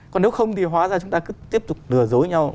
còn nếu không thì hóa ra chúng ta cứ tiếp tục lừa dối nhau